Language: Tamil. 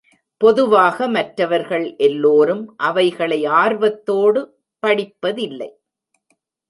பொதுவாக மற்றவர்கள் எல்லோரும் அவைகளை ஆர்வத்தோடு படிப்பதில்லை.